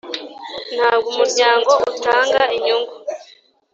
ntabwo Umuryango utanga inyungu